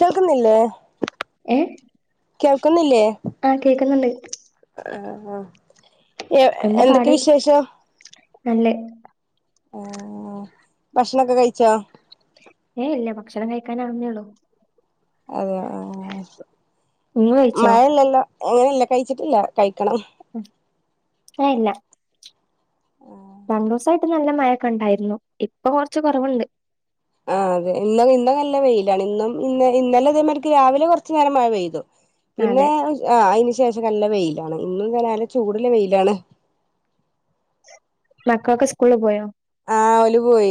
കേൾക്കുന്നില്ലേ ഏഹ് ആ കേക്കുന്നുണ്ട് ഹ് ഹാ എ എന്തൊക്കെ വിശേഷം നല്ലത് ഉം ഭക്ഷ്ണൊക്കെ കൈച്ചോ ഏഹ് ഇല്ല ഭക്ഷണം കൈക്കാൻ ആവുന്നേള്ളൂ അതെ ആഹ് നിങ്ങ കഴിച്ചോ മയല്ലല്ലൊ. എങ്ങനില്ല കൈച്ചിട്ടില്ല കൈക്കണം ഉം ഏഹ് ഇല്ല രണ്ടൂസായിട്ട് നല്ല മയൊക്കെണ്ടായിര്ന്നു ഇപ്പൊ കൊർച്ച് കൊറവിണ്ട് ആഹ് അതെ ഇന്നൊകെ ഇനൊകല്ല വെയിലാണ് ഇന്നും ഇന്ന ഇന്നലെ ഇതേമാര്ക്ക് രാവിലെ കൊർച്ച് നേരം മഴ പെയ്തു. പിന്നെ അതെ ഉ ആഹ് അയിന് ശേഷൊക്കല്ലെ വെയ്ലാണ് ഇന്നും തെന്നെ നല്ല ചൂട്ല്ല വെയിലാണ്. മക്ളൊക്കെ സ്കൂള്ള് പോയോ. ആഹ് ഓല് പോയി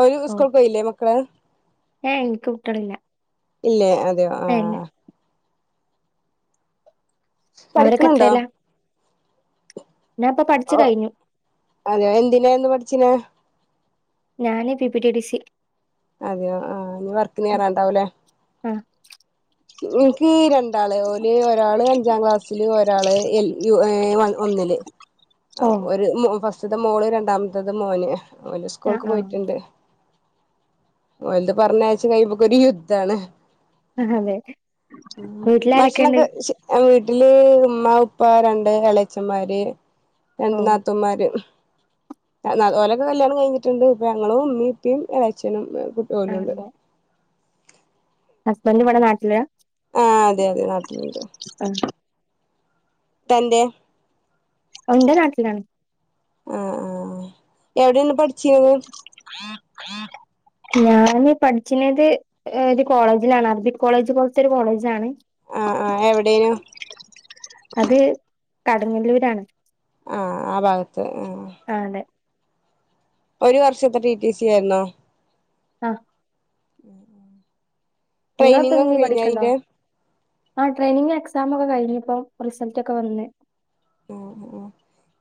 ഓല് സ്കൂൾകോയ്ലേ മക്കള് ഏയ്‌ ഇൻക്ക് കുട്ട്യാളില്ല ഇല്ലേ അതെയോ ആ ഏല്ല അവരൊക്കെ പഠിക്കിണിണ്ടോ ഞാപ്പ പഠ്ച്ച കൈഞ്ഞു അതെ എന്തിനായ്ന്നു പഠ്ച്ചിനെ ഞാന് P P T T C അതെയോ ആഹ് ഇനി വർക്ന് കേറാണ്ടാവ്ലേ ആഹ് ഇൻക്കീ രണ്ടാള് ഓല് ഒരാള് അഞ്ചാങ്ക്ളാസ്സില് ഒരാള് എൽ യു ഏഹ് വ ഒന്നില് ഏഹ് മു ഫസ്റ്റിത്തെ മോള് രണ്ടാമത്തത് മോന് ആ ഓല്സ്കൂൾക്ക് ആ പോയ്ട്ടിണ്ട് ഓൽത് പർഞ്ഞയ്ച്ച് കയുമ്പോക്കൊരു യുദ്ധാണ് അതെ ഉം വീട്ടിലാരൊക്കെയുണ്ട് ഭക്ഷ്ണക്കെ വീട്ടില് ഉമ്മ ഉപ്പ രണ്ട് എളേച്ചമ്മാര് രണ്ട് ഓ നാത്തൂമ്മാര് എ ന ഓലൊകെ കല്യാണം കഴിഞ്ഞിട്ടിണ്ട് ഇപ്പൊ ഞങ്ങളും ഉമ്മി ഇപ്പും എളേച്ഛെനും കുട്ട് ആ ഓലുണ്ട് ഹസ്ബന്റിവ്ടെ നാട്ട്ലാ ആഹ് അതെ അതെ നാട്ട്ലിണ്ട് [unintelligible] തന്റെ ഓഹ് ഇന്റെ നാട്ട്ലാണ് ആഹ് ആഹ് ആഹ് എവ്ടേണ് പഠ്ച്ചീന്നത് ഞാന് പഠിച്ചിനത് ഏഹ് രു കോളേജിലാണ് അർബിക് കോളേജ് പോൽത്തൊരു കോളേജാണ് ആഹ് ആഹ് എവ്ടെനു അത് കടങ്ങല്ലൂരാണ് ആഹ് ആ ഭാഗത്ത് ആഹ് ആഹ് അതെ ഒരു വർഷത്തെ ടി ടി സി ആയിര്ന്നോ ആഹ് ട്രെയിനിങ്ങൊക്കെ കൈഞ്ഞ അയ്ന്റെ ആഹ് ട്രെയിനിങു എക്സാമൊക്കെ കഴിഞ്ഞിപ്പം റിസൾട്ടൊക്കെ വന്ന്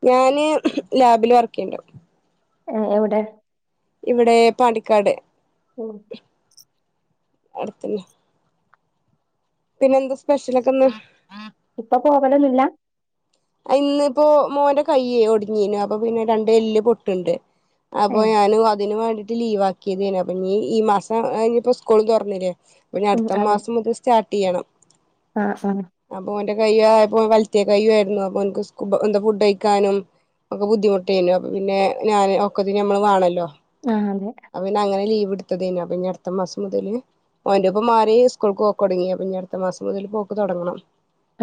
ഞാന് ലാബില് വർക്കെയ്യ്ണ്ട് ഏഹ് എവ്ടെ ഇവിടെ പാണ്ടിക്കാട് അട്ത്തന്നെ പിന്നെ എന്താ സ്പെഷ്യലൊക്കെന്ന് ഇപ്പൊ പോവലൊന്നുല്ല അ ഇന്നിപ്പൊ മോന്റെ കൈയ്യെ ഒട്ഞ്ഞീനു അപ്പൊ പിന്നെ രണ്ട് എല്ല് പൊട്ടിണ്ട് അപ്പൊ ഏ ഞാന് അതിന് വേണ്ടീട്ട് ലീവാ ക്കിതിന് അപ്പഞ്ഞ് ഈ മാസ ഇഞ്ഞിപ്പോ സ്കൂളു തൊർന്നിലേ ഉം അപ്പഞ്ഞട്ത്ത മാസം മുതൽ സ് സ്റ്റാർട്ട് ചെയ്യണം ആഹ് ആഹ് അപ്പൊ ഓന്റെ കയ്യ്പ്പൊ വലത്തെ കയ്യു ആയിരുന്നു അപ്പൊ എനിക്ക് എന്താ ഫുഡ് കഴിക്കാനും ഒക്കെ ബുദ്ധിമുട്ടെയ്നു അപ്പോപ്പിന്നെ ഞാൻ ഒക്കത്തിനും ഞമ്മള് വേണല്ലോ ആഹ് അതെ അപ്പ പിന്നാ അങ്ങനെ ലീവ് എടുത്തതേനു അപ്പൊ ഇനി അടുത്ത മാസം മുതല് ഓനിപ്പോ മാറി സ്കൂൾക്ക് പോക്കോടങ്ങി അപ്പ ഇനി അടുത്ത മാസം മുതൽ പോക്ക് തൊടങ്ങണം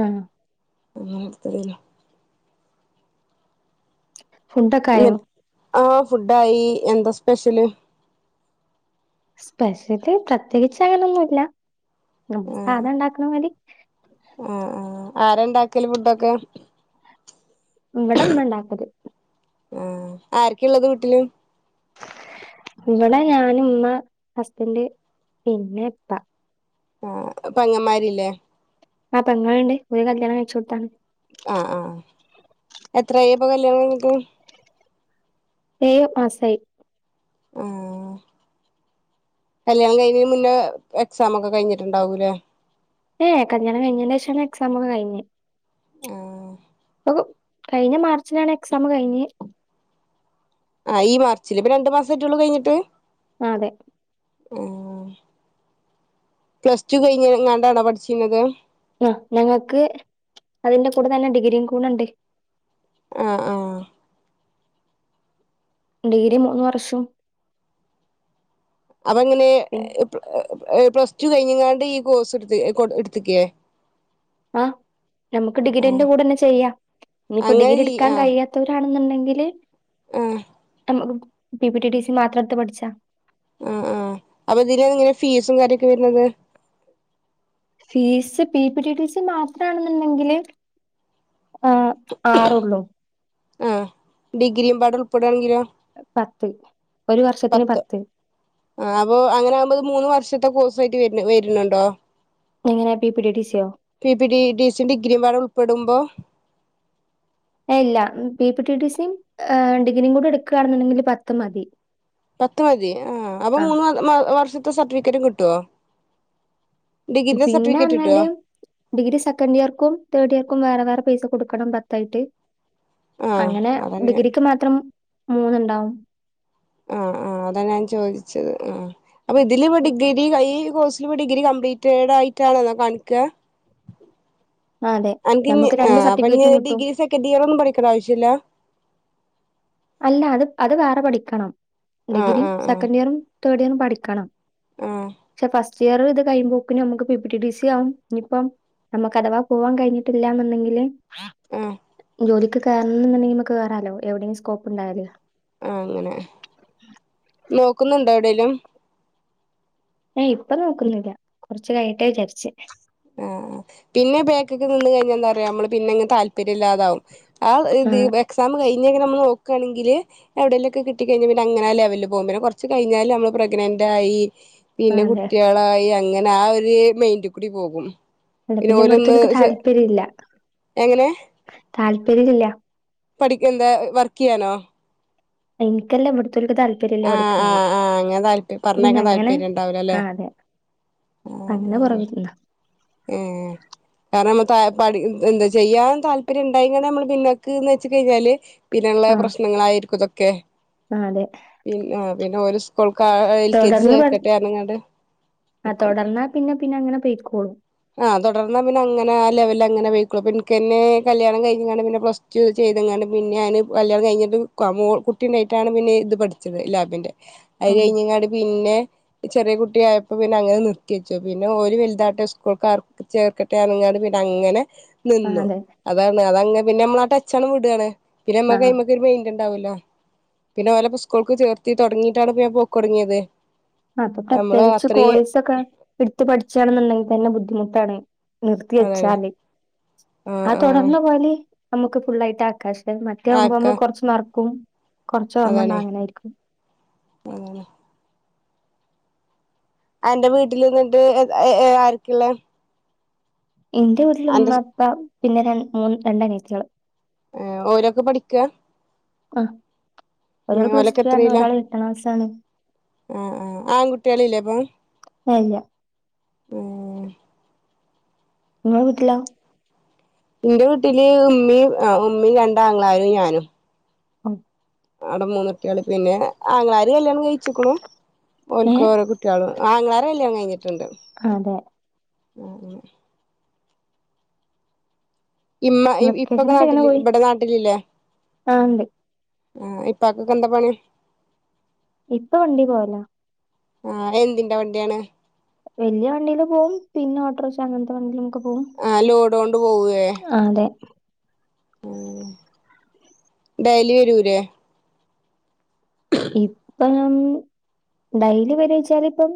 ആഹ് ഒന്നും ഇട്ത്തലീം ഫുഡ്ക്കായൊ എന്നിട്ട് ആഹ് ഫുഡായി എന്താ സ്പെഷ്യല് സ്പെഷ്യല് പ്രത്യേകിച്ച് അങ്ങനൊന്നുമല്ല നമ്മ ആഹ് സാധണ്ടാക്കണ മാതിരി ആഹ് ആഹ് ആരണ്ടാക്കല് ഫുഡൊക്കെ ഇവിടെമ്മേണ്ടാക്കല് ആഹ് ആരക്കെയള്ളത് വീട്ടില് ഇവിടെ ഞാന് ഇമ്മ ഹസ്ബൻഡ് പിന്നെ ഇപ്പ ആഹ് പെങ്ങന്മാരില്ലേ ആഹ് പെങ്ങുള്ണ്ട് ഒര് കല്യാണം കഴിച്ചടുത്താണ് ആഹ് ആഹ് എത്രയായിപ്പൊ കല്യാണം കഴിഞ്ഞിട്ട് ഏഴ്മാസായി ആഹ് കല്യാണം കഴിഞ്ഞീന് മുന്നേ എക്സാം ഒക്കെ കഴിഞ്ഞിട്ടുണ്ടാവൂംലേ ഏഹ് കല്യാണം കഴിഞ്ഞന്റെ ശേഷാണ് എക്സാം ഒക്കെ കഴിഞെ ആഹ് [unintelligible] കഴിഞ്ഞ മാർച്ചിനാണ് എക്സാം കഴിഞ്ഞെ ആഹ് ഈ മാർച്ചില് ഇപ്പൊ രണ്ട് മാസം ആട്ടേള്ളൂ കഴിഞ്ഞിട്ട് ആഹ് അതെ ആഹ് പ്ലസ് ടു കഴിഞ്ഞങ്ങാണ്ടാണോ പഠിച്ചിനത് ആഹ് ഞങ്ങൾക്ക് അതിന്റെ കൂടെ തന്നെ ഡിഗ്രിയും കൂടണ്ട് ആഹ് ആഹ് ഡിഗ്രി മൂന്ന് വർഷം അപങ്ങനെ പിന്നെ പ്ലസ് ടു കഴിഞ്ഞ്കാണ്ട് ഈ കോഴ്സ് ഇടു ഇടുത്തക്കേ ആഹ് നമുക്ക് ഡിഗ്രിന്റെ കൂടെന്നെ ചെയ്യാം ഇനിയിപ്പോ അങ്ങനെ ഡിഗ്രി ചെയ്യ എടുക്കാൻ ആഹ് കഴിയാ ത്തോരാണെന്നുണ്ടെങ്കില് ആഹ് നമുക്ക് പി ടി ടി സി മാത്രംട്ത്തെ പഠിച്ച ആഹ് ആഹ് അപ്പൊ ഇതില് എങ്ങനെ ഫീസും കാര്യൊക്കെ വരുന്നത് ഫീസ് പി പിടിടി സി മാത്രംമാണെന്നുണ്ടെങ്കില് ആഹ് ആറൊള്ളൂ ആഹ് ഡിഗ്രിയുംപാടെ ഉൾപ്പെടയാണെങ്കിലോ പത്ത് ഒരു വർഷത്തിന് പത്ത് ആഹ് അപ്പ അങ്ങനെകുമ്പോത് മൂന്ന് വർഷത്തെ കോഴ്സായിട്ട് വ വരുന്നുണ്ടോ എങ്ങിനെ പി പി ടി ടി സിയോ പി പിഡിഡി സിയും ഡിഗ്രിയുംപാടെ ഉൾപ്പെടുമ്പോ ഇല്ല പി പി ടി ടി സിയ ഡിഗ്രിയും കൂടി എടുക്കുകയാണെന്നുണ്ടെങ്കിൽ പത്ത് മതി പത്ത് മതി ആഹ് അപ്പൊ ആ മൂന്ന് വർഷത്തെ സർട്ടിഫിക്കറ്റ് കിട്ടുവോ ഡിഗ്രിന്റെ പിന്നെ സർട്ടിഫിക്കറ്റ് കിട്ടോ പറഞ്ഞാല് ഡിഗ്രി സെക്കൻഡ് ഇയർക്കും തേർഡ് ഇയർക്കും വേറെ വേറെ പൈസ കൊടുക്കണം പത്തായിട്ട് ആഹ് അങ്ങനെ അതന്നെ ഡിഗ്രിക്ക് മാത്രം മൂന്നുണ്ടാവും ആഹ് ആഹ് അതാണ് ഞാൻ ചോദിച്ചത് ആഹ് അപ്പൊ ഇതില് ഇപ്പ ഡിഗ്രി കൈ കോഴ്സ് ഇജ് ഡിഗ്രി കംപ്ലീറ്റഡ് ആയിട്ടാണൊ എന്ന കാണിക്ക അതെ. അനക്ക് നമുക്ക് ഇഞ്ഞിഅപ്പൊ സർട്ടിഫിക്കറ്റും കിട്ടും. ഡിഗ്രി സെക്കൻഡ് ഇയർ ഒന്നും പഠിക്കണ്ടാ ആവിശ്യില്ല അല്ല അത് അത് വേറെ പഠിക്കണം ആഹ് ഡിഗ്രി ആഹ് ആഹ് സെക്കൻഡ് ഇയറും തേർഡ് ഇയറും പഠിക്കണം ആഹ് പക്ഷെ ഫസ്റ്റ് ഇയർ ഇത് കഴിയുമ്പോക്ക നമ്മുക്ക് പി പിടി ഡി സി ആവും ഇനഞിപ്പം നമുക്ക് അഥവാ പോവാൻ കഴിഞ്ഞിട്ടില്ലങ്കില് ഹാ ജോലിക്ക് കേറണം എന്നുണ്ടെങ്കിൽ നമക്ക് കേറാലോ എവിടെയങ്കില സ്കോപ്പ്ണ്ടായല് ആ അങ്ങനെ നോക്കുന്നുണ്ടോ എവിടെേലും ഏ ഇപ്പ നോക്കുന്നില്ല കൊറച്ച് കായിയെട്ട്ന്ന് വിചാരിച്ച് ആഹ് പിന്നെ ബേക്കെക്കെ നിന്ന് കഴിഞ്ഞ എന്താറയാ നമ്മള് പിന്നങ്ങ് താല് പര്യം ഇല്ലാതാവും ആ എക്സാം കഴിഞ്ഞൊക്കെ നമ്മൾ നോക്കാണെങ്കില് എവിടേലൊക്കെ കിട്ടികഴിഞ്ഞ് പിന്നെ അങ്ങനെ ലെവല് പോവും പിന്നെ കൊറച്ച് കഴിഞ്ഞാല് നമ്മള് പ്രെഗ്നന്റ് ആയി ആ, പിന്നെ അതെ കുട്ടിളായി അങ്ങനെ ആ ഒരു മെയിന്റ്കൂടി പോവും അല്ല പിന്നെ ഇവിടുത്തോൽക്ക് താല്പരില്ല എങ്ങനെ താല്പര്യം ഇല്ല പഠിക്ക എന്താ വർക്കെയ്യാനോ എനിക്കല്ല ഇവിടുത്തോല്ക്ക് താല്പ താൽപര്യല്ല ആഹ് പഠിക്കണങ്കി ആഹ് ആഹ് അങ്ങനെ താല്പ പിന്നെ പറഞ്ഞേക്കാൻ അങ്ങനെ താല്പര്യം ഉണ്ടാവൂലല്ലേ ആഹ് അതെ അങ്ങനെ പൊറക് തിന്ന ഏഹ് കാരണം നമ്മ ത പാട് എന്താ ചെയ്യാൻ താല്പര്യം ഇണ്ടായി ക നമ്മള് പിന്നാക്കന്ന് വെച്ച് കഴിഞ്ഞാല് പിന്നള്ള പ്രശ്നങ്ങളായിരിക്കും ഇതൊക്കെ ആലെ പിന്നെ പിന്നെ ഓര് സ്കൂൾക്ക് എൽ കെ ജി ചേർക്കട്ടെ എന്നങ്ങാണ്ട് ആഹ് തൊടർന്നാ പിന്നെ പിന്നെ അങ്ങനെ പൊയ്ക്കോളും ആഹ് തൊടർന്നാ പിന്നെ അങ്ങനെ ആഹ് ലെവലിലങ്ങനെ പൊയ്ക്കുള്ളു എനക്ക് തന്നെ കല്യാണം കഴിഞ്ഞ്ങ്കാണ്ട് പിന്നെ പ്ലസ് ചെയ്തങ്ങാണ്ട് പിന്നെ ഞാന് കല്യാണം കഴിഞ്ഞിട്ട് കമു കുട്ടി ഉണ്ടായിട്ടാണ് പിന്നെ ഇത് പഠിച്ചത് ലാബിന്റെ അത് ഓ കഴിഞ്ഞങ്ങാട് പിന്നെ ചെറിയ കുട്ടി ആയപ്പൊ പിന്നെ അങ്ങനെ നിർത്തിവെച്ചു പിന്നെ ഓര് വലുതാട്ടെ സ്കൂൾ ആർക്ക ചേർക്കട്ടെ അണങ്ങാ പിന്നെ അങ്ങനെ ആ നിന്നു അതെ അതാണ് അതങ്ങ പിന്നമ്മള ആഹ് ടച്ചാണ് വിടാണ് ആ പിന്നെമ്മക്ക് അയ്മ്മേക്കൊരു മെയ്റ്റെ ണ്ടാവുല്ല പിന്നെ വല ഉസ്കൂൾക്ക് ചേർത്തി തൊടങ്ങിയിട്ടാണ് ഞാൻ പോക്ക് തൊടങ്ങിയത് അപ്പൊ പ്രത്യേകിച്ച് കോഴ്സ് ഒക്കെ എട്ത്തു പഠിച്ചാണന്നൊണ്ടെങ്കി തന്നെ ബുദ്ധിമുട്ടാണി നിർത്തി അതാണ് വെച്ചാല് ആഹ് ആഹ് അതൊടർന്ന് പോയല് നമുക്ക് ഫുള്ളായിട്ട് ആകാം അത മറ്റേ ആവുമ്പൊ ആക്ക നമ്മൾ കൊറച്ച്നറക്കും കൊറച്ച് ഓർമ്മണ്ടും അതാണ് അങ്ങനാരിക്കും എന്റെ വീട്ടിലിന്നിട്ട് ആരുക്കെള്ളേ ഇന്റെ വീട്ടിൽ ഉമ്മ അപ്പ പിന്നെ രണ്ട് മൂന്ന് രണ്ട് അനീത്തികള് ഓരോക്കെ പഠിക്ക ആഹ് ഒരാൾ പ്ലസ് ഓലൊക്കെ ടു ആണ് എത്രയില ഒരാൾ എട്ടക്ലാസാണ് ആ ആ ആൺകുട്ടികളില്ലേ അയില്ല ഓഹ് ഇങ്ങള വീട്ടിലൊ ഇന്റെ വീട്ടില് ഉമ്മിയും ആഹ് ഉമ്മയും രണ്ടാങ്ങളാരും ഞാനും ഉം അവിടെ മൂന്നുട്ടികള് പിന്നെ ആങ്ങളാര് കല്യാണം കഴിച്ചക്ക്ണു ഏ ഓൽക്കോരോ കുട്ടിയോളു ആങ്ങളാരെ കല്യാണം കഴിഞ്ഞിട്ടിണ്ട് അതെ ആഹ് അങ്ങനെ ഇമ്മ ഇപ്പൊക്കെ വെക്കേഷനൊക്കെ നാട്ടിൽ എങ്ങനെ പോയി ഇവടെ നാട്ടിലില്ലേ ആ ഉണ്ട് ആഹ് ഇപ്പാക്കൊക്കെ എന്താ പണി ഇപ്പ വണ്ടി പോവല ആഹ് എന്തിന്റെ വണ്ടിയാണ് വല്യ വണ്ടിലു പോവും പിന്നെ ഓട്ടർക്ഷ അങ്ങനത്തെ വണ്ടിലൊക്ക് പോവും ആഹ് ലോഡ്കൊണ്ട് പോവേ ആഹ് അതെ ഡെയ്ലി വരൂരെ ഉം ഇപ്പം ഡെയ്ലി വരുവെച്ചാല് ഇപ്പം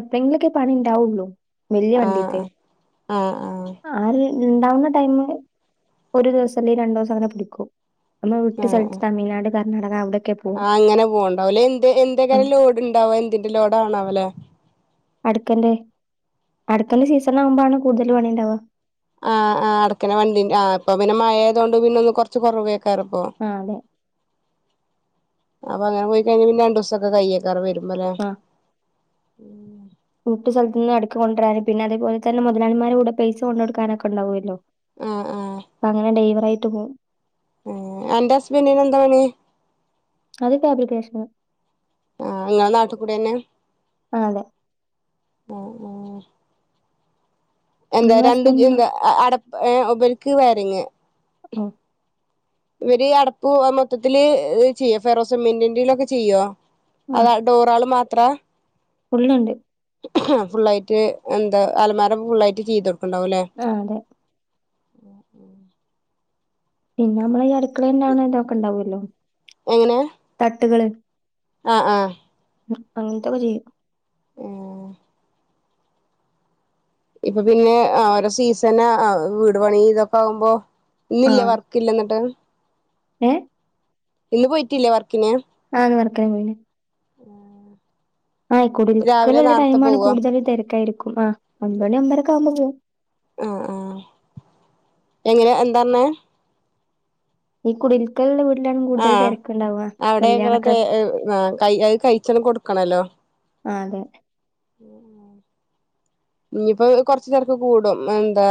എപ്പഴെങ്കിലൊക്കെ പണി ഇണ്ടാവുള്ളൂ വല്യ ആ വണ്ടിത്തെ ആ ആ ആ ആര് ഇണ്ടാവുന്ന ടൈമ് ഒരു ദിവസം അല്ലെ രണ്ടൂസം അങ്ങനെ പിടിക്കു നമ്മൾ വിട്ട് ആഹ് ആഹ് സ്ഥലത്ത് തമിഴ്നാട് കർണാടക അവിടെയൊക്കെ പോകും ആഹ് അങ്ങനെ പോകണ്ടാവല എന്ത് എന്തെക്കെ ലോഡ് ഉണ്ടാവോ എന്തിന്റെ ലോഡ ആണ് അവല് അടുക്കന്റെ അടുക്കന്റെ സീസൺ ആകുമ്പോാണ് കൂടുതൽ പണിക്കുണ്ടാവുക ആഹ് ആഹ് അടക്കണ വണ്ടി ആഹ് അപ്പൊ പിന്നെ മഴയത കൊണ്ട് പിന്നെ ഒന്ന് കുറച്ച് കുറവ് കേക്കാറ ഇപ്പോ ആഹ് അതെ അപ്പ അങ്ങനെ പോയി കഴഞ്ഞ പിന്ന രണ്ട് ദിവസ ഒക്കെ കയ്യക്കാറ് വരുമ്പലേ കൂട്ട സ്ഥലത്ത നിന്ന് അടുക്ക കൊണ്ടുവരാന പിന്ന അതേപോലെന്നെ മുതലളിമാരെ കൂടെ പൈസ കൊടുക്കാനൊക്കെ ഉണ്ടാവുമല്ലോ ആഹ് ആഹ് അപ്പ അങ്ങനെ ഡൈവറായിട്ട് പോകും എന്റെ ഹസ്ബന്റിന് എന്താണ അത് ഫാബ്രിക്കേഷന് ആഹ് [unintelligible] നാട്ടിൽ കൂടെ തന്നെ ആഹ് അതെ എന്താ നിങ്ങളെ രണ്ടും ഹസ്ബൻഡിനോ എന്ത അടപ്പ ഉപർക്ക് വരങ്ങ ആഹ് ഇവര് അടപ്പ് മൊത്തത്തില്ൽ ചെയ്യോ ഫെറോസമെന്റിറിലൊക്കെ ചെയ്യോ അത നൂറാൾ മാത്ര ഫുള്ളുണ്ട് ഫുള്ളായിട്ട് എന്താ അലമാര ഫുള്ളായിട്ട് ചെയ്ത കൊടുക്കണ്ടാവും അല്ലേ ആഹ് അതെ ഉം പിന്നെ നമ്മള് ഈ അടുക്കള തന്നണ ഇതൊക്കെ ഇണ്ടാവല്ലോ എങ്ങനെ തട്ടുകള് ആഹ് ആഹ് അങ്ങനത്തൊക്കെ ചെയ്യും ഇപ്പൊ പിന്നെ ഓരോ സീസൺ വീട് പണി ഇതൊക്കെ ആകുമ്പോ ഇന്നില്ലേ ആഹ് വർക്ക് ഇല്ല എന്നിട്ട് ഏഹ് ഇന്ന് പോയിട്ടില്ലേ വർക്കിന് ആന്ന് വർക്കി പോയില്ല ആഹ് രാവിലെ കുടിരിക്കലള്ള നേർത്തെ ടൈംമാണ് പോവോ കൂടുതൽ തിരക്കായിരിക്കും ആഹ് ഒൻപത് മണി അമ്പരൊക്കെ ആവുമ്പോ പോവും ആഹ് ഹ് എങ്ങനെ എന്താണ് ഈ കുടിരിക്കലുള്ള വീട്ടിലാണ് കൂടുതൽ ആഹ് തിരക്കുണ്ടാവുക അവിടെ അങ്ങനെ കല്യാണൊക്കെ ക അത് കഴിച്ചണം കൊടുക്ക ക്കണല്ലോ ആഹ് അതെ ഇനിയിപ്പോ കുറച്ച് തിരക്ക് കൂടും എന്താ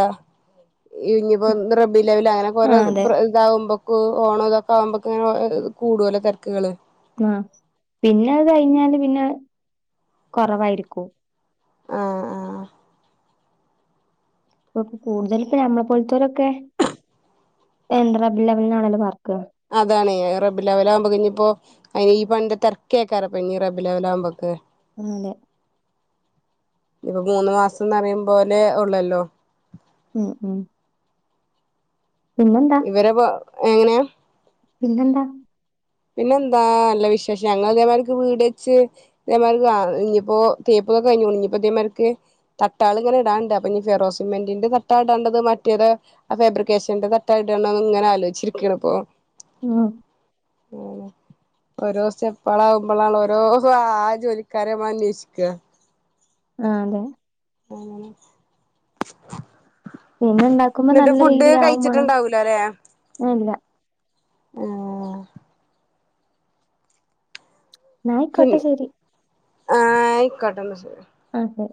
ഇനിപ്പോ നറബിലവൽ അങ്ങനെ കുറെ ആഹ് അതെ ഇതാവുമ്പോക്ക് ഓണം ഇതൊക്കെ ആകുമ്പോക്ക ഇങ്ങനെ കൂടുല്ലോ തിരക്കുകള് ആഹ് പിന്നെത് കഴിഞ്ഞാല് പിന്നെ കൊറവായിരിക്കോ ആഹ് ആഹ് ഇപ്പ കൂടുതൽ ഇപ്പ നമ്മളെ പോലത്തരൊക്കെ എബി ലെവലിനാണല്ലോ വർക്കുക അതാണ് [unintelligible] വലുമ്പകിഞ്ഞിപ്പോ അതിന് ഈ പണിന്റെ തിരക്കക്കാറ പെ ന ബിലലാവകുമ്പൊക്ക് ആഹ് അതെ ഇപ്പൊ മൂന്ന് മാസയെന്ന് പറയും പോലെ ഉള്ളല്ലോ. ഉം ഉം പിന്നെന്താ ഇവരെപ്പോ എങ്ങനെ. പിന്നെന്താ പിന്നെ എന്താ നല്ല വിശേഷം, ഞങ്ങൾ ഇതേമാതിരി വീട് വെച്ച്. ഇതേമാതിരി ആഹ് ഇനിയിപ്പോ തേപ്പ് ഒക്കെ കഴിഞ്ഞു തുടങ്ങി, ഇപ്പോ ഇതേമാതിരിക്ക്. തട്ടാള് ഇങ്ങനെ ഇടാനുണ്ട്, അപ്പൊ ഇനി ഫെറോസിമെന്റന്റെ തട്ടാൾ ഇടേണ്ടത് മറ്റേത്. ആഹ് ഫിബ്രെക്കേഷന്റെ തട്ട് ഇടണം ഇങ്ങനെ ആലോചിച്ചിരിക്കുകയാണ് ഇപ്പോൾ. ഉം ഉം ഓരോ സ്റ്റെപ്പുകൾ ആവുമ്പോഴാണ് ഓരോ ആഹ് ജോലിക്കാരെ അന്വേഷിക്കുക. ആഹ് അതെ. അങ്ങനെ പിന്നെ ഇണ്ടാക്കുമ്പോ എന്നിട്ട് നല്ല ഫുഡ് രീതിയിൽ ആവും മണം, കഴിച്ചിട്ടുണ്ടാവൂല വേണ്ട. ഉം എന്നാ ആയിക്കോട്ടെ പിന്നെ ശരി ആഹ് ആയിക്കോട്ടെ എന്നാ ശരി അതെ.